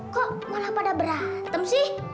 kok malah pada berantem sih